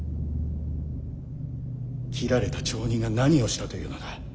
斬られた町人が何をしたというのだ？